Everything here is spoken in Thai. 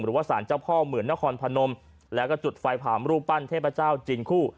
หรือว่าสารเจ้าพ่อเมิดนครพนมแล้วก็จุดไฟเผาแล้วลูกปั้นเทพเจ้าจิ๋นคู่